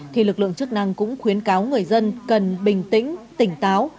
thì lực lượng chức năng cũng khuyến cáo người dân cần bình tĩnh tỉnh táo